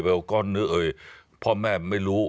ป้องแม่ไม่รู้